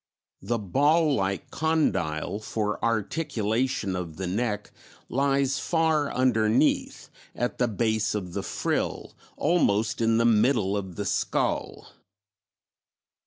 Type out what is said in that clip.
The ball like condyle for articulation of the neck lies far underneath, at the base of the frill, almost in the middle of the skull.